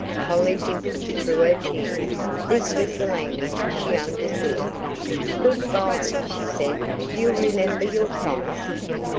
Polly dimpled through her tears; this was the language she understood. "Good by," she said. "You'll remember your promise?"